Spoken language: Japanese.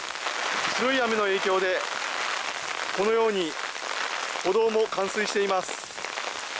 強い雨の影響で、このように、歩道も冠水しています。